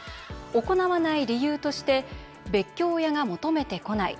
行わない理由として「別居親が求めてこない」